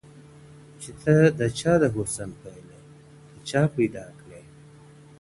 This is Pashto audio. چي ته د چا د حُسن پيل يې ته چا پيدا کړې.